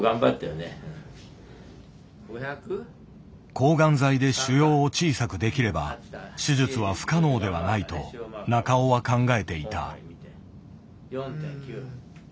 抗がん剤で腫瘍を小さくできれば手術は不可能ではないと中尾は考えていた。